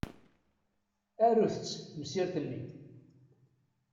Arut-tt temsirt-nni.